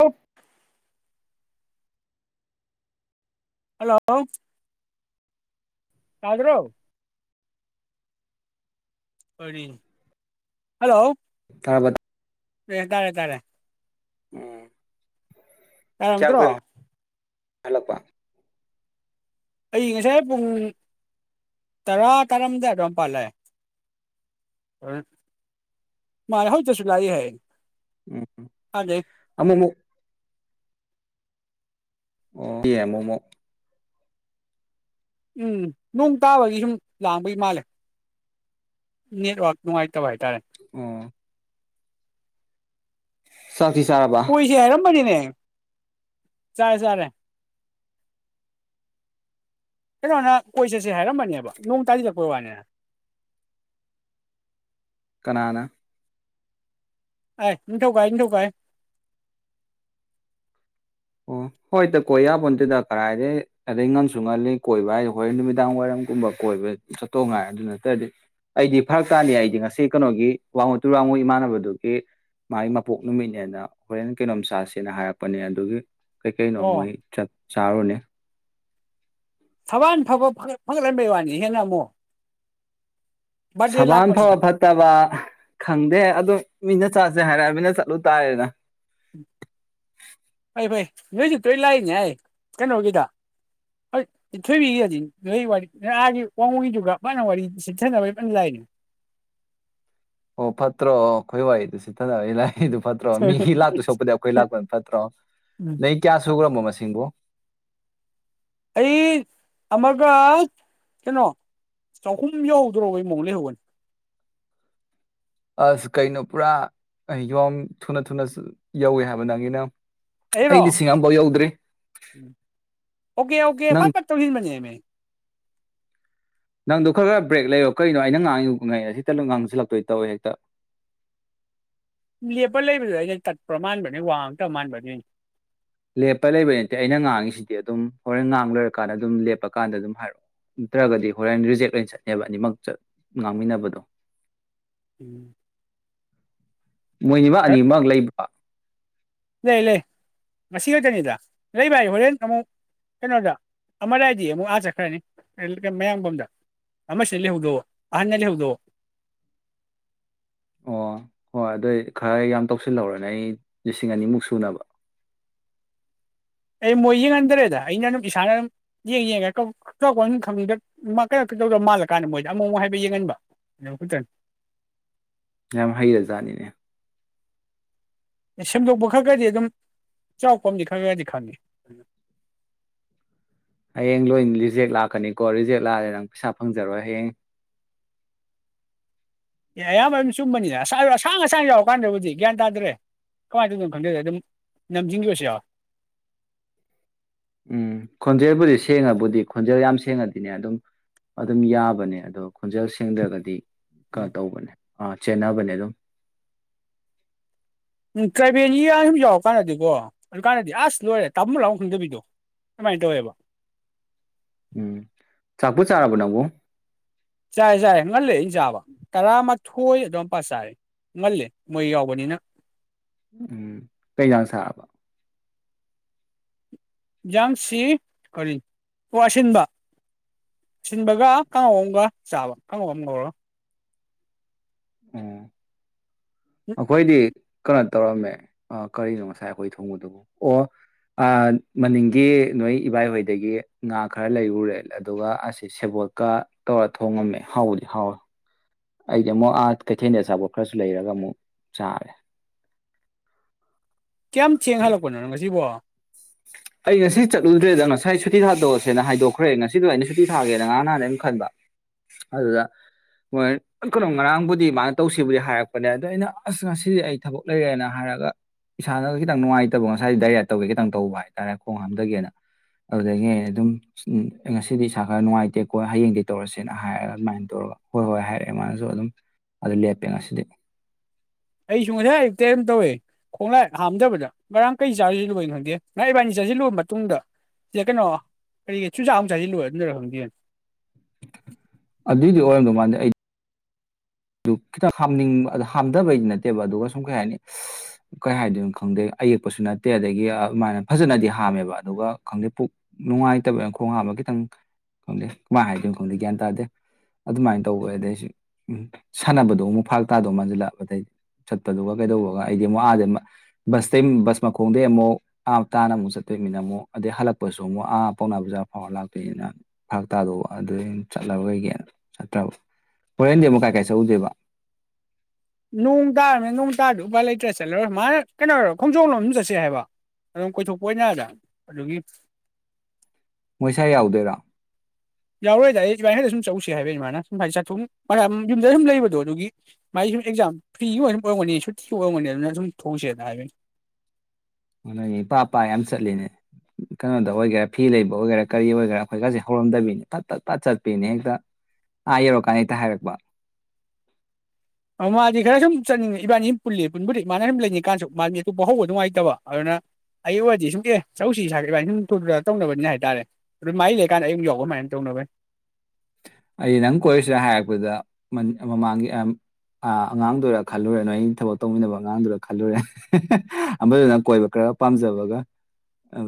ꯍ ꯍꯜꯂꯣ ꯀꯥꯒ꯭ꯔꯣ ꯍꯜꯂꯣ ꯇꯥꯔꯕ ꯑꯦ ꯇꯥꯔꯦ ꯇꯔꯦ ꯎꯝ ꯀꯝꯠꯇ꯭ꯔꯣ ꯍꯂꯄ ꯑꯩꯌ ꯉꯁꯥꯏ ꯄꯨꯡ ꯇꯔꯥ ꯇꯥꯔꯥꯝꯗꯥꯏ ꯑꯗꯨꯋꯥꯏꯝ ꯄꯥꯜꯂꯑꯦ ꯃꯥꯅꯦ ꯍꯧꯖꯤꯛꯇꯁꯨ ꯂꯥꯛꯏ ꯍꯥꯏ ꯎꯝ ꯑꯗꯩ ꯑꯃ ꯑꯣ ꯃꯣꯃꯣ ꯎꯝ ꯅꯣꯡ ꯇꯥꯕꯒꯤ ꯁꯨꯝ ꯂꯥꯡꯕꯩ ꯃꯥꯜꯂꯦ ꯅꯦꯠꯋꯥꯛ ꯅꯨꯡꯉꯥꯏꯇꯕ ꯍꯥꯏ ꯑ ꯀꯣꯏꯁ ꯍꯦꯔꯝꯝꯕꯅꯤꯅꯦ ꯆꯔꯦ ꯆꯥꯔꯦ ꯀꯩꯅꯣꯅ ꯀꯣꯏ ꯆꯠꯁꯦ ꯍꯥꯏꯔꯝꯕꯅꯦꯕ ꯅꯣꯡ ꯇꯥꯗꯤꯔꯛꯄꯩ ꯋꯥꯅꯤꯅ ꯀꯅꯥꯅ ꯑꯦ ꯏꯗꯣꯀ ꯏꯣ ꯀ ꯑꯣ ꯍꯣꯏꯗ ꯀꯣꯏ ꯌꯥꯕ ꯅꯠꯇꯦꯗ ꯀꯗꯥꯥꯏꯗꯩ ꯑꯗꯩ ꯉꯪꯁꯨ ꯉꯜꯂꯤ ꯀꯣꯏꯕ ꯍꯥꯏꯗꯤ ꯍꯣꯔꯦꯟ ꯅꯨꯃꯤꯗꯥꯡ ꯋꯥꯏꯔꯝꯒꯨꯝꯕ ꯀꯣꯏꯕ ꯆꯠꯇꯧ ꯉꯥꯏ ꯑꯗꯨ ꯅꯠꯇ꯭ꯔꯗꯤ ꯑꯩꯗꯤ ꯐꯔꯛ ꯇꯥꯅꯤ ꯑꯩꯗꯤ ꯉꯁꯤ ꯀꯩꯅꯣꯒꯤ ꯋꯥꯡꯉꯨ ꯇꯨꯔ ꯋꯥꯡꯉꯨ ꯏꯃꯥꯟꯅꯕꯗꯨꯒꯤ ꯃꯥꯒꯤ ꯃꯄꯣꯛ ꯅꯨꯃꯤꯠꯅꯦꯅ ꯍꯣꯔꯦꯟ ꯀꯩꯅꯣꯝ ꯆꯥꯁꯦꯅ ꯍꯥꯏꯔꯛꯄꯅꯦ ꯑꯗꯨꯒꯤ ꯀꯩꯀꯩꯅꯣ ꯑꯣ ꯃꯣꯏ ꯆꯠ ꯆꯥꯔꯣꯅꯦ ꯊꯕꯥꯟ ꯐꯕ ꯐꯒꯠꯍꯟꯕꯩ ꯋꯥꯅꯤ ꯍꯦꯟꯅ ꯑꯃꯨ ꯁꯕꯥꯟ ꯐꯕ ꯐꯠꯇꯕ ꯈꯪꯗꯦ ꯑꯗꯨ ꯃꯤꯅ ꯆꯠꯁꯦ ꯍꯥꯏꯔꯑ ꯃꯤꯅ ꯆꯠꯂꯨ ꯇꯥꯏꯌꯦꯦꯗ ꯎ ꯐꯩ ꯐꯩ ꯅꯣꯏꯁꯨ ꯇꯣꯏ ꯂꯥꯛꯏꯅꯦ ꯍꯥꯏ ꯀꯩꯅꯣꯒꯤꯗ ꯍꯣꯏ ꯁꯤꯤꯊꯣꯏꯕꯤꯒꯗꯤ ꯅꯣꯏ ꯋꯥꯔꯤꯥꯒꯤ ꯋꯥꯡꯉꯨꯒꯤꯗꯨꯒ ꯃꯥꯅ ꯋꯥꯔꯤ ꯁꯤꯤꯠꯊꯅꯕꯒꯤ ꯂꯣꯏꯅ ꯂꯥꯛꯏꯅꯦ ꯑꯣ ꯐꯠꯇ꯭ꯔꯣ ꯑꯩ ꯈꯣꯏ ꯋꯥꯏꯗꯨ ꯁꯤꯊꯅꯕ ꯑꯩ ꯂꯥꯏ ꯃꯤꯗꯨ ꯐꯠꯇ꯭ꯔꯣ ꯃꯤꯒꯤ ꯂꯥꯛꯇꯨ ꯁꯣꯛꯄꯗꯤ ꯑꯩꯈꯣꯏ ꯂꯥꯛꯄꯗꯨ ꯐꯠꯇ꯭ꯔꯣ ꯅꯗꯩ ꯀꯌꯥ ꯁꯨꯈ꯭ꯔꯝꯕꯣ ꯃꯁꯤꯡꯕꯨꯣ ꯑꯩ ꯑꯃꯒ ꯀꯩꯅꯣ ꯆꯍꯨꯝ ꯌꯧꯗ꯭ꯔꯣꯕꯩ ꯃꯑꯣꯡ ꯂꯩꯍꯧꯕꯅꯤ ꯑꯁ ꯀꯩꯅꯣ ꯄꯨꯔꯥ ꯑꯩ ꯌꯣꯝ ꯊꯨꯅ ꯊꯨꯅ ꯌꯧꯋꯦ ꯍꯥꯏꯕ ꯅꯪꯒꯤꯅ ꯑꯩꯔꯣ ꯑꯩ ꯂꯤꯁꯤꯡ ꯑꯃꯐꯥꯎ ꯌꯧꯗ꯭ꯔꯤ ꯑꯣꯀꯦ ꯑꯣꯀꯦ ꯅꯪ ꯐꯠ ꯐꯠ ꯇꯧꯁꯟꯕꯅꯦꯃꯦ ꯅꯪꯗꯣ ꯈꯔ ꯈꯔ ꯕ꯭ꯔꯦꯛ ꯂꯩꯔꯣ ꯀꯔꯤꯅꯣ ꯑꯩꯅ ꯉꯥꯡꯉꯤ ꯉ ꯁꯤꯇ ꯉꯥꯡꯁꯤꯜꯂꯛꯇꯣꯏ ꯇꯧꯋꯦ ꯍꯦꯛꯇ ꯂꯦꯞꯄ ꯂꯩꯕꯗꯨ ꯑꯩꯅ ꯇꯠꯄ ꯃꯥꯥꯟꯕ ꯅꯦꯋꯥꯛ ꯑꯝ ꯇꯧ ꯃꯥꯥꯟꯕ ꯑꯗꯨꯏꯅꯤ ꯂꯦꯞꯄ ꯂꯩꯕꯩ ꯅꯠꯇꯦ ꯑꯩꯅ ꯉꯥꯡꯉꯤꯁꯤꯗꯤ ꯑꯗꯨꯝ ꯍꯣꯔꯦꯟ ꯉꯥꯡ ꯂꯣꯏꯔꯀꯥꯟꯗ ꯑꯗꯨꯝ ꯂꯦꯞꯄ ꯀꯥꯟꯗ ꯑꯗꯨꯝ ꯍꯥꯏꯔꯛꯑꯣ ꯅꯠꯇ꯭ꯔꯒꯗꯤ ꯍꯣꯔꯦꯟ ꯔꯤꯖꯦꯛ ꯑꯣꯏꯅ ꯆꯠꯅꯦꯕ ꯑꯅꯤꯃꯛ ꯉꯥꯡꯃꯤꯟꯅꯕꯗꯣ ꯎꯝ ꯃꯣꯏꯅꯤꯃꯛ ꯑꯅꯤꯃꯛ ꯂꯩꯕ꯭ꯔꯣ ꯂꯩ ꯂꯩ ꯉꯁꯤ ꯈꯛꯇꯅꯤꯗ ꯂꯩ ꯚꯥꯏ ꯍꯣꯔꯦꯟ ꯑꯃꯨꯛ ꯀꯩꯅꯣꯗ ꯑꯃꯑꯥꯏꯗꯤ ꯑꯃꯨꯛ ꯑꯥ ꯆꯠꯈ꯭ꯔꯅꯤ ꯃꯌꯥꯡꯕꯝꯗ ꯑꯃꯁꯤꯅ ꯂꯩꯍꯧꯗꯣꯑꯣ ꯑꯍꯟꯅ ꯂꯩꯍꯧꯗꯣꯑꯣ ꯑꯣ ꯍꯣꯏ ꯑꯗꯣꯏ ꯈꯔ ꯌꯥꯝ ꯇꯧꯁꯜꯂꯧꯔꯣ ꯅꯩ ꯂꯤꯁꯤꯡ ꯑꯅꯤꯃꯨꯛ ꯁꯨꯅꯕ ꯑꯩ ꯃꯣꯏ ꯌꯦꯡꯍꯟꯗꯔꯦꯗ ꯑꯩꯅ ꯑꯗꯨꯝ ꯏꯁꯥꯅ ꯑꯗꯨꯝ ꯌꯦꯡ ꯌꯦꯡꯉꯒ ꯈꯪꯗꯧꯗ ꯃꯥꯜꯂꯀꯥꯟꯗ ꯃꯣꯏꯗ ꯑꯃꯨꯛ ꯑꯃꯨꯛ ꯍꯥꯏꯕ ꯌꯦꯡꯍꯟꯕ ꯈꯛꯇꯅꯤ ꯌꯥꯝ ꯍꯩ ꯔꯖꯥꯠꯅꯤꯅꯦ ꯁꯦꯝꯗꯣꯛꯄ ꯈꯔ ꯈꯔꯗꯤ ꯑꯗꯨꯝ ꯆꯥꯎꯔꯥꯛꯄ ꯑꯃꯗꯤꯗꯤ ꯈꯔ ꯈꯔꯗꯤ ꯈꯪꯉꯤ ꯍꯌꯦꯡ ꯂꯣꯏ ꯔꯤꯖꯦꯛ ꯂꯥꯛꯀꯅꯤꯀꯣ ꯔꯤꯖꯦꯛ ꯂꯥꯛꯑꯗꯤ ꯅꯪ ꯄꯩꯁꯥ ꯐꯪꯖꯔꯣꯏ ꯍꯌꯦꯡ ꯑꯦ ꯑꯌꯥꯝꯕ ꯑꯗꯨꯝ ꯆꯨꯝꯕꯅꯤꯅ ꯑꯁꯥ ꯑꯁꯥꯡ ꯑꯁꯥꯡꯕ ꯌꯥꯎꯔꯀꯥꯟꯗꯕꯨꯗꯤ ꯒ꯭ꯌꯥꯟ ꯇꯥꯗ꯭ꯔꯦ ꯀꯃꯥꯏꯅ ꯇꯧꯗꯣꯏꯅꯣ ꯈꯪꯗꯗ ꯑꯗꯨꯝ ꯅꯝꯖꯤꯟꯒꯤꯕꯁꯨ ꯌꯥꯎꯋꯦ ꯎꯝ ꯈꯣꯟꯖꯦꯜꯕꯨꯗꯤ ꯁꯦꯡꯉꯕꯨꯗꯤ ꯈꯣꯟꯖꯦꯜ ꯌꯥꯝ ꯁꯦꯡꯉꯗꯤꯅꯦ ꯑꯗꯨꯝ ꯑꯗꯨꯝ ꯌꯥꯕꯅꯦ ꯑꯗꯣ ꯈꯣꯟꯖꯦꯜ ꯁꯦꯡꯗ꯭ꯔꯒꯗꯤ ꯀ ꯇꯧꯕꯅꯦ ꯑ ꯆꯦꯟꯅꯕꯅꯦ ꯑꯗꯨꯝ ꯎꯝ ꯇ꯭ꯔꯥꯏꯕꯦꯜꯒꯤꯒ ꯁꯨꯝ ꯌꯥꯎꯔꯀꯥꯟꯗꯗꯤꯀꯣ ꯑꯗꯨ ꯀꯥꯟꯗꯗꯤ ꯑꯁ ꯂꯣꯏꯔꯦ ꯇꯥꯕꯝ ꯂꯥꯛꯐꯝ ꯈꯪꯗꯕꯤꯗꯣ ꯑꯗꯨꯃꯥꯏꯅ ꯇꯧꯋꯦꯕ ꯎꯝ ꯆꯥꯛꯄꯨ ꯆꯥꯔꯕꯣ ꯅꯣꯕꯨ ꯆꯥꯔꯦ ꯆꯥꯔꯦ ꯉꯜꯂꯦ ꯑꯩꯅ ꯆꯥꯕ ꯇꯔꯥꯃꯊꯣꯏ ꯑꯗꯨꯋꯥꯏꯄꯥ ꯆꯥꯔꯦ ꯉꯜꯂꯦ ꯃꯣꯏ ꯌꯥꯎꯕꯅꯤꯅ ꯎꯝ ꯀꯩꯖꯥꯡ ꯆꯥꯔꯕ ꯌꯦꯟꯁꯥꯡꯁꯤ ꯀꯔꯤꯟ ꯑꯣ ꯑꯁꯤꯟꯕ ꯑꯁꯤꯟꯕꯒ ꯀꯥꯡꯉꯧ ꯑꯃꯒ ꯆꯥꯕ ꯀꯥꯡꯉꯧ ꯑꯃ ꯉꯧꯔ ꯎꯝ ꯑꯈꯣꯏꯗꯤ ꯀꯩꯅꯣ ꯇꯧꯔꯝꯃꯦ ꯀꯔꯤꯅꯣ ꯉꯁꯥꯏ ꯑꯩꯈꯣꯏ ꯊꯣꯡꯕꯗꯨꯕꯨ ꯑꯣ ꯃꯅꯤꯡꯒꯤ ꯅꯣꯏ ꯏꯕꯥꯏꯍꯣꯏꯗꯒꯤ ꯉꯥ ꯈꯔ ꯂꯩꯔꯨꯔꯦ ꯑꯗꯨꯒ ꯑꯁꯤ ꯁꯦꯕꯣꯠꯀ ꯇꯧꯔ ꯊꯣꯡꯉꯝꯃꯦ ꯍꯥꯎꯕꯨꯗꯤ ꯍꯥꯎꯋꯦ ꯑꯩꯗꯤ ꯑꯃꯨꯛ ꯑꯥ ꯀꯩꯊꯦꯜꯗ ꯑꯆꯥꯄꯣꯠ ꯈꯔꯁꯨ ꯂꯩꯔꯒ ꯑꯃꯨꯛ ꯆꯥꯔꯦ ꯀꯌꯥꯝ ꯊꯦꯡ ꯍꯜꯂꯛꯄꯅꯣ ꯅꯪ ꯉꯁꯤꯕꯣ ꯑꯩ ꯉꯁꯤ ꯆꯠꯂꯨꯗ꯭ꯔꯦꯗ ꯉꯁꯥꯏ ꯁꯨꯇꯤ ꯊꯥꯗꯣꯛꯑꯁꯦꯅ ꯍꯥꯏꯗꯣꯛꯈ꯭ꯔꯦ ꯉꯁꯤꯗꯣ ꯑꯩꯅ ꯁꯨꯇꯤ ꯊꯥꯒꯦꯅ ꯉꯔꯥꯡ ꯅꯍꯥꯟꯅ ꯑꯗꯨꯝ ꯈꯟꯕ ꯑꯗꯨꯗ ꯃꯣꯏ ꯀꯩꯅꯣ ꯉꯔꯥꯡꯕꯨꯗꯤ ꯃꯥꯅ ꯇꯧꯁꯤꯕꯨꯗꯤ ꯍꯥꯏꯔꯛꯄꯅꯦ ꯑꯗꯣ ꯑꯩꯅ ꯑꯁ ꯉꯁꯤꯗꯤ ꯑꯩ ꯊꯕꯛ ꯂꯩꯔꯦꯅ ꯍꯥꯏꯔꯒ ꯏꯁꯥꯅꯒ ꯈꯤꯇꯪ ꯅꯨꯡꯉꯥꯏꯇꯕ ꯉꯁꯥꯏꯗꯤ ꯗꯥꯏꯔꯤꯌꯥ ꯇꯧꯒꯦ ꯈꯤꯇꯪ ꯇꯧꯕ ꯍꯥꯏꯅ ꯍꯥꯏꯇꯥꯔꯦ ꯈꯣꯡ ꯍꯥꯝꯗꯒꯦꯅ ꯑꯗꯨꯗꯒꯤ ꯑꯩ ꯑꯗꯨꯝ ꯉꯁꯤꯗꯤ ꯏꯁꯥ ꯈꯔ ꯅꯨꯡꯉꯥꯏꯇꯦꯀꯣ ꯍꯌꯦꯡꯗꯩ ꯇꯧꯔꯁꯦꯅ ꯍꯥꯏꯔꯒ ꯑꯗꯨꯃꯥꯏꯅ ꯇꯧꯔꯒ ꯍꯣꯏ ꯍꯣꯏ ꯍꯥꯏꯔꯛꯑꯦ ꯃꯥꯅꯁꯨ ꯑꯗꯨꯝ ꯑꯗꯨ ꯂꯦꯞꯄꯦ ꯉꯁꯤꯗꯤ ꯑꯩꯁꯨ ꯉꯁꯥꯏ ꯑꯌꯨꯛ ꯇꯩ ꯑꯗꯨꯝ ꯇꯧꯋꯦ ꯈꯣꯡꯂꯥꯏ ꯍꯥꯝꯗꯕꯗ ꯉꯔꯥꯡ ꯀꯩ ꯆꯥꯔꯁꯤꯜꯂꯨꯕꯩꯅꯣ ꯈꯪꯗꯦ ꯉ ꯏꯕꯥꯏꯅꯤ ꯆꯥꯁꯤꯜꯂꯨꯕ ꯃꯇꯨꯡꯗ ꯁꯤꯗ ꯀꯩꯅꯣ ꯀꯔꯤꯒꯤ ꯆꯨꯖꯥꯛ ꯑꯃ ꯆꯥꯁꯤꯜꯂꯨ ꯑꯗꯨꯔ ꯈꯪꯗꯦꯅ ꯑꯗꯨꯏꯗꯤ ꯑꯣꯏꯔꯝꯗꯧ ꯃꯥꯟꯗꯦ ꯑꯩ ꯑꯗꯨ ꯈꯤꯇꯪ ꯍꯥꯝꯅꯤꯡꯕ ꯑꯗꯨ ꯍꯥꯝꯊꯕꯩꯗꯤ ꯅꯠꯇꯦꯕ ꯑꯗꯨꯒ ꯁꯨꯝ ꯀꯩ ꯍꯥꯏꯅꯤ ꯀꯩ ꯍꯥꯏꯗꯣꯏꯅꯣ ꯈꯪꯗꯦ ꯑꯌꯦꯛꯄꯁꯨ ꯅꯠꯇꯦ ꯑꯗꯒꯤ ꯑꯗꯨꯃꯥꯏꯅ ꯐꯖꯅꯗꯤ ꯍꯥꯝꯃꯦꯕ ꯑꯗꯨꯒ ꯈꯪꯗꯦ ꯄꯨꯛ ꯅꯨꯡꯉꯥꯏꯇꯕꯅ ꯈꯣꯡ ꯍꯥꯝꯕ ꯈꯤꯇꯪ ꯈꯪꯗꯦ ꯀꯃꯥꯏꯅ ꯍꯥꯏꯗꯣꯏꯅꯣ ꯈꯪꯗꯦ ꯒ꯭ꯌꯥꯟ ꯇꯥꯗꯦ ꯑꯗꯨꯃꯥꯏꯅ ꯇꯧꯕ ꯑꯗꯩꯁꯤ ꯎꯝ ꯁꯥꯟꯅꯕꯗꯣ ꯑꯃꯨꯛ ꯐꯥꯔꯛ ꯇꯥꯗꯧ ꯃꯥꯟꯁꯤꯜꯂꯛꯑ ꯑꯗꯩ ꯆꯠꯄꯗꯨꯒ ꯀꯩꯗꯧꯕꯒ ꯑꯩꯗꯤ ꯑꯃꯨꯛ ꯑꯥꯗꯩ ꯕꯁꯇꯩ ꯕꯁ ꯃꯈꯣꯡꯗꯩ ꯑꯃꯨꯛ ꯑꯥ ꯇꯥꯅ ꯑꯃꯨꯛ ꯆꯠꯇꯣꯏꯅꯤꯅ ꯑꯃꯨꯛ ꯑꯗꯩ ꯍꯜꯂꯛꯄꯁꯨ ꯑꯃꯨꯛ ꯑꯥ ꯄꯥꯎꯅꯥ ꯕꯖꯥꯔ ꯐꯥꯎꯔ ꯂꯥꯛꯇꯣꯏꯅꯤꯅ ꯐꯥꯔꯛ ꯇꯥꯗꯣ ꯑꯗꯨ ꯆꯠꯂꯕꯩꯒꯤ ꯆꯠꯇ꯭ꯔꯕ ꯐꯣꯔꯦꯟꯗꯤ ꯑꯃꯨꯛ ꯀꯥꯏꯥꯏ ꯁꯧꯗꯦꯕ ꯅꯣꯡ ꯇꯥꯔꯝꯅꯤꯟ ꯅꯣꯡ ꯇꯥꯔꯗ ꯎꯄꯥꯥꯏ ꯂꯩꯇ꯭ꯔꯦ ꯆꯠꯂꯔ ꯃꯥꯅ ꯀꯩꯅ ꯑꯣꯏꯔꯣ ꯈꯣꯡꯖꯣꯝ ꯂꯣꯝ ꯆꯠꯁꯦ ꯍꯥꯏꯕ ꯑꯗꯨꯝ ꯀꯣꯏꯊꯣꯛꯄ ꯑꯣꯏꯅꯗ ꯑꯗꯨꯒꯤ ꯃꯣꯏꯁꯥꯏ ꯌꯥꯎꯗꯣꯏꯔꯥ ꯌꯥꯎꯔꯣꯏꯗꯗꯥꯏ ꯑꯩ ꯁꯃꯥꯏ ꯍꯦꯛꯇ ꯁꯨꯝ ꯆꯧꯁꯤꯦ ꯍꯥꯏꯕꯩꯅꯤ ꯃꯥꯅ ꯁꯨꯝ ꯍꯥꯏꯗꯤ ꯆꯠꯊꯣꯛ ꯃꯥ ꯌꯨꯝꯗ ꯁꯨꯝ ꯂꯩꯕꯗꯣ ꯑꯗꯨꯒꯤ ꯃꯥꯒꯤ ꯁꯨꯝ ꯑꯦꯛꯖꯥꯝ ꯐ꯭ꯔꯤꯒꯤ ꯑꯣꯏꯅ ꯑꯗꯨꯝ ꯑꯣꯏꯔꯝꯒꯅꯤ ꯁꯨꯇꯤ ꯑꯣꯏꯔꯝꯒꯅꯤ ꯑꯗꯨꯅ ꯁꯨꯝ ꯊꯣꯛꯣꯡꯁꯦꯅ ꯍꯥꯏꯕꯅꯤ ꯅꯣꯏꯅꯤ ꯄꯥ ꯄꯥ ꯌꯥꯝ ꯆꯠꯂꯦꯅꯦ ꯀꯩꯅꯣꯗ ꯑꯣꯏꯒꯦꯔꯥ ꯐꯤ ꯂꯩꯕ ꯑꯣꯏꯒꯦꯔꯥ ꯀꯔꯤ ꯑꯣꯏꯒꯦꯔꯥ ꯑꯩꯈꯣꯏꯒꯥꯁꯦ ꯍꯧꯔꯝꯗꯕꯤꯅꯤ ꯐꯠ ꯐꯠ ꯐꯠ ꯆꯠꯄꯤꯅꯦ ꯍꯦꯛꯇ ꯑꯥ ꯌꯧꯔꯛꯀꯥꯟꯗ ꯍꯦꯛꯇ ꯍꯥꯏꯔꯛꯄ ꯃꯥꯗꯤ ꯈꯔ ꯁꯨꯝ ꯆꯠꯅꯤꯡꯉ ꯏꯕꯥꯅꯤ ꯁꯨꯝ ꯄꯨꯜꯂꯤ ꯄꯨꯟꯕꯗꯤ ꯏꯃꯥꯅ ꯁꯨꯝ ꯂꯩꯅꯤꯡꯀꯥꯟꯁꯨ ꯃꯥꯗꯤ ꯑꯇꯣꯞꯄ ꯍꯧꯕ ꯅꯨꯡꯉꯥꯏꯇꯕ ꯑꯗꯨꯅ ꯑꯩ ꯑꯣꯏꯔꯗꯤ ꯁꯨꯝ ꯑꯦ ꯆꯔꯧꯁꯤ ꯁꯥ ꯏꯕꯥꯅꯤ ꯁꯨꯝ ꯊꯨꯗ ꯇꯧꯅꯕꯅꯤ ꯍꯥꯏ ꯇꯔꯦ ꯑꯗꯨ ꯃꯥꯥꯏ ꯂꯩꯀꯥꯟꯗ ꯑꯩ ꯑꯃꯨꯛ ꯌꯥꯎꯕꯃꯥꯏꯅ ꯇꯧꯅꯕꯅꯦ ꯑꯩ ꯅꯪ ꯀꯣꯏꯔꯨꯁꯤꯔ ꯍꯥꯏꯔꯛꯄꯗ ꯃꯥꯡꯒꯤ ꯑ ꯑꯉꯥꯡꯗꯨꯔ ꯈꯜꯂꯨꯔꯦ ꯅꯣꯏ ꯑꯩ ꯊꯕꯛ ꯇꯧꯃꯤꯟꯅꯕ ꯑꯉꯥꯡꯗꯨꯔ ꯈꯜꯂꯨꯔꯦ ꯑꯃꯗꯨꯅꯪ ꯀꯣꯏꯕ ꯈꯔ ꯄꯥꯝꯖꯕꯒ ꯑ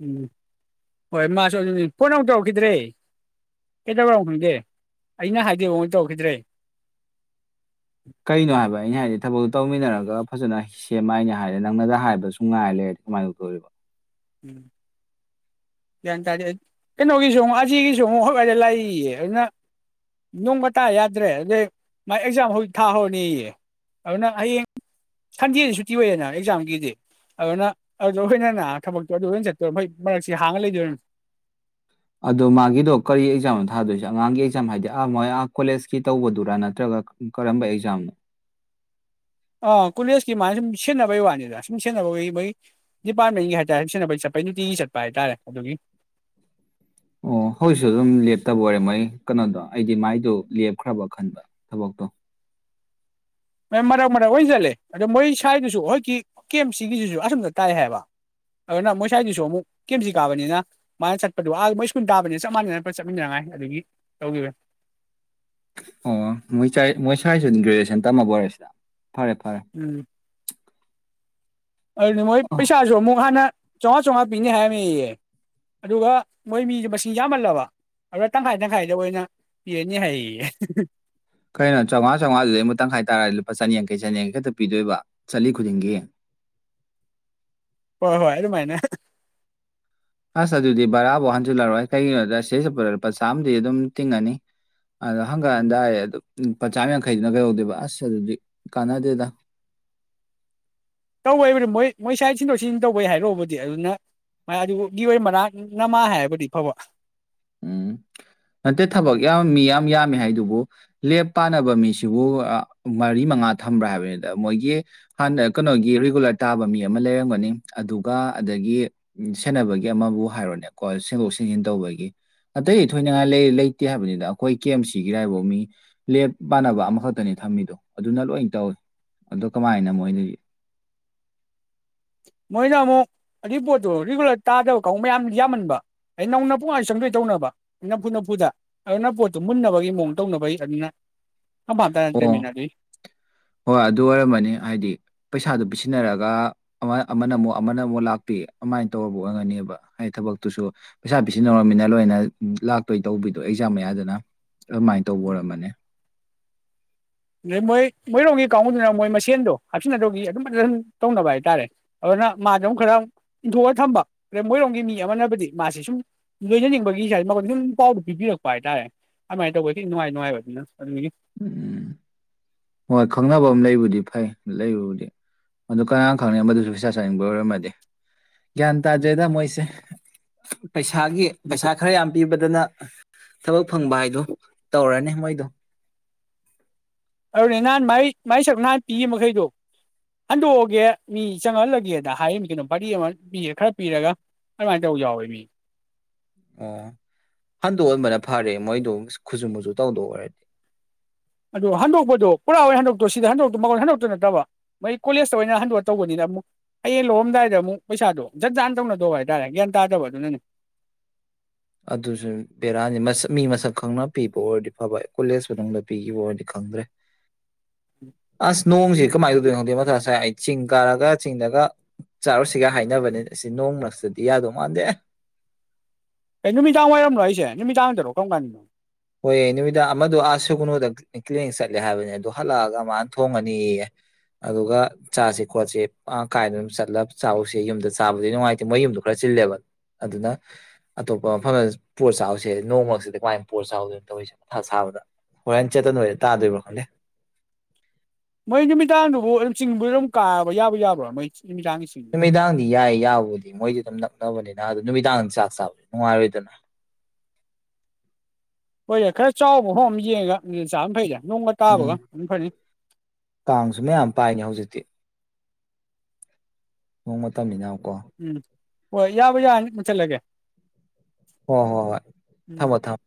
ꯎꯝ ꯍꯣꯏ ꯃꯥꯁꯨ ꯑꯗꯨ ꯐꯣꯟ ꯑꯃꯣꯛ ꯇꯧꯔꯛꯈꯤꯗ꯭ꯔꯦ ꯀꯩꯗꯧꯔꯝꯅꯣ ꯈꯪꯗꯦ ꯑꯩꯅ ꯍꯥꯏꯗꯤꯕꯥꯎ ꯃ ꯇꯧꯈꯤꯗ꯭ꯔꯦ ꯀꯩꯅꯣ ꯍꯥꯏꯕ ꯑꯩꯅ ꯍꯥꯏꯗꯤ ꯊꯕꯛꯇꯣ ꯇꯧꯃꯤꯟꯅꯔꯒ ꯐꯖꯅ ꯁꯦꯝꯃ ꯍꯥꯏꯅꯦ ꯍꯥꯏꯔꯦ ꯅꯪꯅꯗ ꯍꯥꯏꯕꯁꯨ ꯉꯥꯏ ꯂꯩꯔꯗꯤ ꯀꯃꯥꯏꯅ ꯇꯧꯗꯧꯔꯤꯕ ꯎꯝ ꯒ꯭ꯌꯥꯟ ꯇꯥꯔꯦ ꯀꯩꯅꯣꯒꯤꯁꯨ ꯑꯃꯨꯛ ꯑꯁꯤꯒꯤꯒꯤꯁꯨ ꯑꯃꯨꯛ ꯍꯣꯏꯋꯥꯏꯗ ꯂꯥꯛꯏꯌꯦ ꯑꯗꯨꯅ ꯅꯣꯡꯒ ꯇꯥ ꯌꯥꯗ꯭ꯔꯦ ꯑꯗꯨꯗꯩ ꯃꯥꯥꯏ ꯑꯦꯛꯖꯥꯝ ꯍꯧꯖꯤꯛ ꯊꯥꯍꯧꯔꯅꯦꯌꯦ ꯑꯗꯨꯅ ꯍꯌꯦꯡ ꯁꯟꯗꯦꯗꯤ ꯁꯨꯇꯤ ꯑꯣꯏꯌꯦꯅ ꯑꯦꯛꯖꯥꯝꯒꯤꯗꯤ ꯑꯗꯨꯅ ꯑꯗꯨꯗ ꯑꯩꯈꯣꯏꯅ ꯊꯕꯛꯇꯣ ꯑꯗꯨꯣꯏ ꯆꯠꯇꯣꯏꯣꯏ ꯃꯔꯛꯁꯤ ꯍꯥꯡꯉ ꯂꯩꯗꯣꯏꯅꯤ ꯑꯗꯣ ꯃꯥꯒꯤꯗꯣ ꯀꯔꯤ ꯑꯦꯛꯖꯥꯝꯅꯣ ꯊꯥꯗꯣꯏꯁꯦ ꯑꯉꯥꯡꯒꯤ ꯑꯦꯛꯖꯥꯝ ꯍꯥꯏꯗꯤ ꯑꯥ ꯃꯣꯏ ꯑꯥ ꯀꯣꯂꯦꯖꯀꯤ ꯇꯧꯕꯗꯨꯔꯥ ꯅꯠꯇ꯭ꯔꯒ ꯀꯔꯝꯕ ꯑꯦꯛꯖꯥꯝꯅꯣ ꯑꯥ ꯀꯣꯂꯦꯖꯀꯤ ꯃꯥꯅ ꯁꯨꯝ ꯁꯦꯟꯅꯕꯩ ꯋꯥꯅꯤꯗ ꯁꯨꯝ ꯁꯦꯟꯅꯩ ꯃꯣꯏ ꯗꯤꯄꯥꯔꯠꯃꯦꯟꯒꯤ ꯍꯥꯏꯇꯥꯔꯦ ꯁꯨꯝ ꯁꯦꯟꯅꯕꯩ ꯆꯠꯄꯩ ꯅꯨꯡꯇꯤꯒꯤ ꯆꯠꯄ ꯍꯥꯏ ꯇꯥꯔꯦ ꯑꯗꯨꯒꯤ ꯑꯣ ꯍꯧꯁꯨ ꯑꯗꯨꯝ ꯂꯦꯞꯇꯕ ꯑꯣꯏꯔꯦ ꯃꯣꯏ ꯀꯩꯅꯣꯗꯣ ꯑꯩꯗꯤ ꯃꯥꯏꯗꯣ ꯂꯦꯞꯈ꯭ꯔꯕ ꯈꯟꯕ ꯊꯕꯛꯇꯣ ꯃꯦꯝ ꯃꯔꯛ ꯃꯔꯛ ꯑꯣꯏꯅ ꯆꯠꯂꯦ ꯑꯗꯣ ꯃꯣꯏ ꯁ꯭ꯋꯥꯏꯒꯤꯁꯨ ꯍꫭꯏꯀꯤ ꯀꯦꯝꯞ ꯁꯤꯒꯤꯁꯤꯁꯨ ꯑꯁꯨꯝꯝꯗ ꯇꯥꯏ ꯍꯥꯏꯕ ꯑꯗꯨꯅ ꯃꯣꯏ ꯁ꯭ꯋꯥꯏꯗꯨꯁꯨ ꯑꯃꯨꯛ ꯀꯦꯝꯁꯤ ꯀꯥꯕꯅꯤꯅ ꯃꯥꯅ ꯆꯠꯄꯗꯨ ꯑ ꯃꯣꯏ ꯏꯁ꯭ꯀꯨꯜ ꯇꯥꯕꯅꯤꯅ ꯆꯞ ꯃꯥꯟꯅꯅ ꯆꯠꯃꯤꯟꯅꯉꯥꯏ ꯑꯗꯨꯒꯤ ꯇꯧꯈꯤꯕꯅꯦ꯫ ꯑꯣ ꯃꯣꯏ ꯃꯣꯏ ꯁꯥꯏꯁꯨ ꯒ꯭ꯔꯦꯖꯨꯋꯦꯁꯟ ꯇꯝꯃꯕꫭꯏꯔꯦ ꯁꯤꯗ ꯐꯔꯦ ꯐꯔꯦ ꯑꯗꯨꯗꯤ ꯃꯣꯏ ꯑꯣ ꯄꯩꯁꯥꯁꯨ ꯑꯃꯨꯛ ꯍꯥꯟꯅ ꯆꯧꯉꯥ ꯆꯧꯉꯥ ꯄꯤꯅꯤ ꯍꯥꯏꯔꯝꯃꯤꯌꯦ ꯑꯗꯨꯒ ꯃꯣꯏ ꯃꯤꯗꯨ ꯃꯁꯤꯡ ꯌꯥꯝꯃꯜꯂꯕ ꯑꯗꯨꯗ ꯇꯪꯈꯥꯏ ꯇꯪꯈꯥꯏꯗ ꯑꯣꯏꯅ ꯄꯤꯔꯅꯤ ꯍꯥꯏꯌꯦꯌꯦ ꯀꯩꯅꯣ ꯆꯥꯃꯉꯥ ꯆꯥꯝꯉꯥꯗ ꯑꯃꯨ ꯇꯪꯈꯥꯏ ꯇꯥꯔꯗꯤ ꯂꯨꯄꯥ ꯆꯅꯤꯌꯥꯡꯈꯩ ꯆꯅꯤꯌꯥꯡꯈꯩ ꯈꯛꯇ ꯄꯤꯗꯣꯏꯕ ꯆꯂꯤ ꯈꯨꯗꯤꯡꯒꯤ ꯍꯣꯏ ꯍꯣꯏ ꯑꯗꯨꯃꯥꯏꯅ ꯑꯁ ꯑꯗꯨꯗꯤ ꯕꯔꯥꯕꯧ ꯍꯟꯖꯤꯜꯂꯛꯔꯣꯏ ꯀꯩꯒꯤꯅꯣꯗ ꯁꯤꯗꯩ ꯆꯠꯄꯥ ꯂꯨꯄꯥ ꯆꯥꯝꯃꯗꯤ ꯑꯗꯨꯝ ꯇꯤꯡꯉꯅꯤ ꯑ ꯍꯪꯒꯠ ꯎꯝ ꯍꯟꯗꯥ ꯑꯦ ꯑꯗꯨ ꯂꯨꯄꯥ ꯆꯥꯝ ꯌꯥꯡꯈꯩꯗꯨꯅ ꯀꯩꯍꯧꯗꯦꯕ ꯑꯁ ꯑꯗꯨꯗꯤ ꯀꯥꯟꯅꯗꯦꯗ ꯇꯧꯋꯦ ꯕꯅꯤ ꯃꯣꯏ ꯃꯣꯏ ꯁꯥꯏꯗ ꯁꯤꯟꯗꯣꯛ ꯁꯤꯟ ꯇꯧꯕꯩ ꯍꯥꯏꯔꫭꯕꯨꯗꯤ ꯑꯗꯨꯅ [unintelligible] ꯃꯅꯥꯛ ꯅꯃꯥ ꯍꯥꯏꯔꯕꯨꯗꯤ ꯐꯕ꯫ ꯎꯝ ꯅꯠꯇꯦ ꯊꯕꯛ ꯌꯥꯝ ꯃꯤ ꯌꯥꯝ ꯌꯥꯝꯃꯤ ꯍꯥꯏꯗꯨꯕꯨ ꯂꯦꯕꯄꯥꯟꯅꯕ ꯃꯤꯁꯤꯕꯨ ꯃꯔꯤ ꯃꯉꯥ ꯊꯝꯕ꯭ꯔꯥ ꯍꯥꯏꯕꯅꯤꯗ ꯃꯣꯏꯒꯤ ꯍꯥꯟꯅ ꯀꯩꯅꯣꯒꯤ ꯔꯤꯒꯨꯂꫪ ꯇꯥꯕ ꯃꯤ ꯑꯃ ꯂꯩꯔꯝꯒꯅꯤ, ꯑꯗꯨꯒ ꯑꯗꯒꯤ ꯁꯦꯟꯅꯕꯒꯤ ꯑꯃꯕꯨ ꯍꯥꯏꯔꯣꯅꯦꯀꯣ ꯁꯦꯡꯗꯣꯛ ꯁꯦꯡꯖꯤꯟ ꯇꯧꯕꯒꯤ꯫ ꯑꯇꯩ ꯊꯣꯏꯅꯉꯥꯏ ꯂꯩ ꯂꯩꯇꯦ ꯍꯥꯏꯕꯅꯤꯗ ꯑꯩꯈꯣꯏ ꯀꯦ ꯑꯦꯝ ꯁꯤꯒꯤꯔ ꯍꯥꯏꯐꯧ ꯃꯤ ꯂꯦꯞ ꯄꯥꯟꯅꯕ ꯑꯃꯈꯛꯇꯅꯤ ꯊꯝꯃꯤꯗꯣ ꯑꯗꯨꯅ ꯂꯣꯏ ꯇꯧꯏꯤ ꯑꯗꯣ ꯀꯃꯥꯏꯅ ꯃꯣꯏꯅꯗꯤ꯫ ꯃꯣꯏꯅ ꯑꯃꯨꯛ ꯑꯗꯨꯒꯤ ꯄꯣꯠꯇꯨ ꯔꯤꯒꯨꯂꫪ ꯇꯥꯗꯕ ꯀ ꯃꯌꯥꯝ ꯌꯥꯝꯃꯟꯕ ꯑꯩ ꯅꯧꯅ ꯄꯨꯡꯉꯥ ꯆꯪꯗꯣꯏ ꯇꯧꯅꯕ ꯅꯝꯐꯨ ꯅꯝꯐꯨꯗ ꯑꯗꯨꯅ ꯄꯣꯠꯇꯨ ꯃꯨꯟꯅꯕꯒꯤ ꯃꯑꯣꯡ ꯇꯧꯅꯕꯩ ꯑꯗꯨꯅ ꯐꯝꯐꯥꯝ ꯑꯣ ꯇꯥꯅꯗ꯭ꯔꯤꯃꯤꯅ ꯑꯗꯨꯏ ꯍꯣꯏ ꯑꯗꯨ ꯑꯣꯏꯔꯝꯃꯅꯤ ꯍꯥꯏꯗꯤ ꯄꯩꯁꯥꯗꯨ ꯄꯤꯁꯤꯟꯅꯔꯒ ꯑꯃ ꯑꯃꯅꯃꯨꯛ-ꯑꯃꯅꯃꯨꯛ ꯂꯥꯛꯄꯤ ꯑꯃꯥꯏꯅ ꯇꯧꯕ ꯑꯣꯏꯒꯅꯦꯕ ꯍꯥꯏꯗꯤ ꯊꯕꯛꯇꯨꯁꯨ ꯄꯩꯁꯥ ꯄꯤꯁꯤꯟꯅꯧꯔꯃꯤꯅ ꯂꯣꯏꯅ ꯂꯥꯛꯇꯣꯏ ꯇꯧꯕꯤꯗꯣ ꯑꯦꯛꯖꯥꯝ ꯃꯌꯥꯗꯅ꯫ ꯑꯗꯨꯃꯥꯏꯅ ꯇꯧꯕ ꯎꯝ ꯑꯣꯏꯔꯝꯃꯅꯤ꯫ ꯑꯗꯩ ꯃꯣꯏ ꯃꯣꯏꯔꯣꯝꯒꯤ ꯀꯥꯡꯕꯨꯗꯨꯅ ꯃꯣꯏ ꯃꯁꯦꯟꯗꯣ, ꯍꯥꯞꯆꯤꯟꯅꯗꯧꯒꯤ ꯑꯗꯨꯝ ꯐꯖ ꯑꯗꯨꯝ ꯇꯧꯅꯕ ꯍꯥꯏꯇꯥꯥꯔꯦ ꯑꯗꯨꯅ ꯃꯥꯖꯤ ꯑꯃꯨꯛ ꯈꯔ ꯏꯟꯊꯣꯛꯑ ꯊꯝꯕ ꯑꯗꯩ ꯃꯣꯏꯔꯣꯝꯒꯤ ꯃꯤ ꯑꯃꯅꯕꯨꯗꯤ ꯃꯥꯁꯤ ꯁꯨꯝ ꯂꯣꯏꯖꯅꯤꯡꯕꯒꯤ ꯃꯉꫭꯟ ꯗꯨꯝ ꯄꯥꯎꯗꫭ ꯄꯤꯕꯤꯔꯛꯄ ꯍꯥꯏꯇꯥꯔꯦ ꯑꯗꯨꯃꯥꯏꯅ ꯇꯧꯕ ꯈꯤ ꯅꯨꯡꯉꯥꯏ ꯅꯨꯡꯉꯥꯏꯕ ꯑꯗꯨꯅ ꯑꯗꯨꯒꯤ꯫ ꯎꯝ ꯍꯣꯏ ꯈꯪꯅꯕ ꯑꯃ ꯂꯩꯕꯨꯗꯤ ꯐꯩ ꯂꯩꯕꯕꯨꯗꯤ ꯑꯗꯨ ꯀꯅꯥ ꯈꯪꯅꯤ ꯃꯗꯨꯁꯨ ꯄꯩꯁꯥ ꯆꯥꯅꯤꯡꯕ ꯑꯣꯏꯔꯝꯃꯗꯤ꯫ ꯒ꯭ꯌꯥꯟ ꯇꯥꯗ꯭ꯔꯦ ꯃꯣꯏꯁꯦ꯫ ꯄꯩꯁꯥꯒꯤ ꯄꯩꯁꯥ ꯈꯔ ꯌꯥꯝ ꯄꯤꯕꯗꯅ ꯊꯕꯛ ꯐꯪꯕ ꯍꯥꯏꯗ ꯇꯧꯔꯅꯤ ꯃꯣꯏꯗꯣ [inaudible] ꯑꯗꯨꯅꯦ ꯅꯍꯥꯟ ꯃꯥꯏ ꯃꯥꯏ ꯁꯛ ꯅꯍꯥꯟ ꯄꯤꯈꯤꯕ ꯃꯈꯩꯗꯣ ꯍꯟꯗꯣꯛꯑꯒꯦ ꯃꯤ ꯆꯪꯍꯜꯂꯒꯦꯗ ꯍꯥꯏꯔꯤꯃꯤ ꯀꯩꯅꯣ ꯐꯔꯤ ꯑꯃ ꯈꯔ ꯄꯤꯔꯒ ꯑꯗꯨꯃꯥꯏꯅ ꯇꯧ ꯌꯥꯎꯋꯦ ꯃꯤ ꯑꯣ ꯍꯟꯗꯣꯛꯍꯟꯕꯅ ꯐꯔꯦ ꯃꯣꯏꯗ ꯈꯨꯁꯨꯨ ꯃꯨꯁꯨ ꯇꯧꯗꯣꯛ ꯑꯣꯏꯔꯗꯤ꯫ ꯑꯗꯨꯣ ꯍꯟꯗꯣꯛꯄꯗꯣ ꯄꯨꯔꯥ ꯑꯣꯏꯅ ꯍꯟꯗꯣꯛꯇꯣ ꯁꯤꯗ ꯍꯟꯗꯣꯛꯇꯣ ꯃꯃꯜ ꯍꯟꯗꯣꯛꯇꯨ ꯅꯠꯇꯕ, ꯃꯩ ꯀꯣꯂꯦꯖꯇ ꯑꯣꯏꯅ ꯍꯟꯗꯣꯛꯑ ꯇꯧꯕꯅꯤꯅ ꯑꯃꯨꯛ, ꯍꯌꯦꯡ ꯂꯧꯔꯝꯗꯥꯏꯗ ꯑꯃꯨꯛ ꯄꯩꯁꯥꯗꯣ, ꯖꯟ ꯖꯥꯥꯟ ꯇꯧꯅꯗꯧꯕ ꯍꯥꯏ ꯇꯔꯦ ꯒ꯭ꯌꯥꯟ ꯇꯥꯗꯕ ꯑꯗꯨꯅꯅꯦ꯫ ꯑꯗꯨꯁꯨ ꯕꯦꯔꯥꯅꯤ ꯃꯤ ꯃꯁꯛ ꯈꯪꯅ ꯄꯤꯕ ꯑꯣꯏꯔꯗꯤ ꯐꯕ ꯀꯣꯂꯦꯖ ꯃꯅꯨꯡꯗ ꯄꯤꯈꯤꯕ ꯑꯣꯏꯔꯗꯤ ꯈꯪꯗ꯭ꯔꯦ꯫ ꯑꯁ ꯎꯝ ꯅꯣꯡꯁꯤ ꯀꯃꯥꯏ ꯇꯧꯗꯨꯏꯅꫭ ꯈꯪꯗꯦ ꯃꯊꯥ ꯁ ꯉꯁꯥꯏ ꯆꯤꯡ ꯀꯥꯔꯒ ꯆꯤꯡꯗꯒ ꯆꯥꯔꯨꯁꯤꯒ ꯍꯥꯏꯅꯕꯅꯤ ꯁꯤ ꯅꯣꯡꯃ ꯃꯔꯛꯇꯗꯤ ꯌꯥꯗꯧ ꯃꯥꯟꯗꯦ꯫ ꯀꯩ ꯅꯨꯃꯤꯗꯥꯡ ꯋꯥꯏꯔꯝꯂꯣ ꯍꯥꯏꯁꯦ ꯅꯨꯃꯤꯗꯥꯡꯗꯔꫭ ꯀꯔꯝ ꯀꯥꯟꯗꯅꯣ꯫ ꯍꯣꯏꯌꯦ ꯅꯨꯃꯤꯗꯥꯡ ꯑꯃꯗꯣ ꯑꯥ ꯁꯒꯨꯅꯨꯗ [unintelligible] ꯆꯠꯂꯦ ꯍꯥꯏꯕꯅꯤ ꯑꯗꯨ ꯍꯜꯂꯛꯑꯒ ꯃꯥꯅ ꯊꯣꯡꯉꯅꯤꯌꯦ, ꯑꯗꯨꯒ ꯆꯥꯥꯁꯦ ꯈꯣꯠꯁꯤ ꯀꯥꯏꯅ ꯑꯗꯨꯝ ꯆꯠꯂꯒ ꯆꯥꯛꯁꯤꯦ ꯌꯨꯝꯗ ꯆꯥꯕꯗꯤ ꯅꯨꯡꯉꯥꯏꯇꯦ ꯃ ꯌꯨꯝꯗꯣ ꯈꯔ ꯆꯤꯜꯂꯦꯕ ꯑꯗꯨꯅ ꯑꯇꯣꯞꯄ ꯃꯐꯝꯗ ꯄꯣꯠ ꯆꯥꯎꯁꯦ ꯅꯣꯡꯃꯁꯤꯗ ꯀꯃꯥꯏ ꯄꯣꯠ ꯆꯥꯎꯗꫭꯅꫭ ꯇꯧꯔꯤꯁꯦ ꯃꯊꯥ ꯁꯥꯕꯗ ꯍꯣꯔꯦꯟ ꯆꯦꯠꯇꯟ ꯑꯣꯏꯅ ꯇꯥꯗꯣꯏꯕ꯭ꯔꯣ ꯈꯟꯗꯦ꯫ ꯃꯣꯏ ꯅꯨꯃꯤꯗꯥꯡꯗꯨꯕꯨ ꯑꯗꯨꯝ ꯆꯤꯡꯕ ꯑꯗꯨꯝ ꯀꯥꯕ ꯌꯥꯕ ꯌꯥꯕ꯭ꯔꯥ ꯃꯣꯏ ꯆꯤ ꯅꯨꯃꯤꯗꯥꯡꯗꯤ ꯌꯥꯏ ꯌꯥꯕꯕꯨꯗꯤ ꯃꯣꯏꯗꯤ ꯑꯗꯨꯝ ꯅꯛ ꯅꯕꯅꯤꯅ ꯑꯗꯨ ꯅꯨꯃꯤꯗꯥꯡꯗꯝ ꯆꯥꯛ ꯆꯥꯕ ꯅꯨꯡꯉꯥꯏꯔꯣꯏꯗꯅ꯫ ꯍꯣꯏ ꯌꯥꯏ ꯈꯔ ꯆꯥꯎꯕ ꯍꯣ ꯑꯃ ꯌꯦꯡꯑꯒ ꯌꯦꯟ ꯆꯥꯕꯅ ꯐꯩꯗ꯫ ꯅꯣꯡꯃ ꯇꯥꯕꯒ ꯎꯝ ꯑꯗꯨꯝ ꯐꯅꯤ꯫ ꯀꯥꯡꯁꯨ ꯃꯌꯥꯝ ꯄꯥꯏꯅꯤ ꯍꯧꯖꯤꯛꯇꯤ꯫ ꯅꯣꯡ ꯃꯇꯝꯅꯤꯅ ꯎꯝ ꯍꯣꯏ ꯌꯥꯕ ꯌꯥꯅꯤ ꯃꯨꯊꯠꯂꯒꯦ꯫ ꯍꯣꯏ ꯍꯣꯏ ꯍꯣꯏ ꯊꯝꯃꯣ-ꯊꯝꯃꯣ꯫